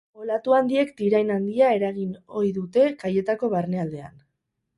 Olatu handiek tirain handia eragin ohi dute kaietako barnealdean.